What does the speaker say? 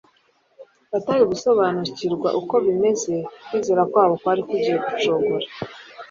batari gusobariukirwa ako bimeze. Kwizera kwabo kwari kugiye gucogora,